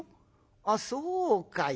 あっそうかい。